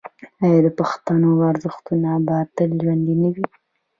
آیا د پښتنو ارزښتونه به تل ژوندي نه وي؟